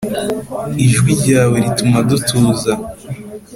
ijwi ryawe rituma dutuza